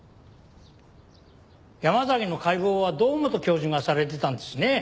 山崎の解剖は堂本教授がされてたんですね。